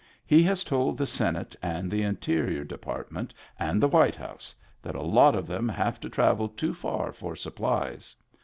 He has told the Senate and the Interior Department and the White House that a lot of them have to travel too far for supplies.